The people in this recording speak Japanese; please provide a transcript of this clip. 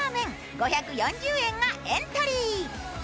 ５４０円がエントリー。